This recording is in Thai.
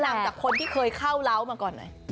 ขอแนะนำจากคนที่เคยเข้าร้าวมาก่อนหน่อย